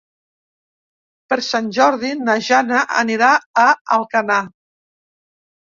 Per Sant Jordi na Jana anirà a Alcanar.